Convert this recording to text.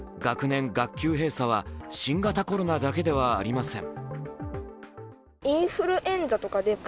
学年・学級閉鎖は新型コロナだけではありません。